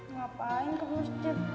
ngapain ke masjid